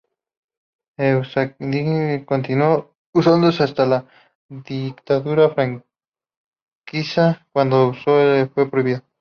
Euzkadi continuó usándose hasta la dictadura franquista, cuando su uso fue prohibido.